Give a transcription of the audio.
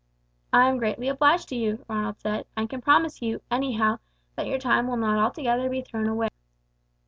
"I am greatly obliged to you," Ronald said, "and can promise you, anyhow, that your time shall be not altogether thrown away."